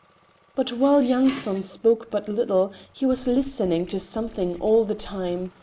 But while Yanson spoke but little, he was listening to something all the time.